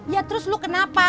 ya terus lu kenapa